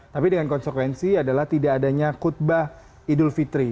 tapi dengan konsekuensi adalah tidak adanya khutbah idul fitri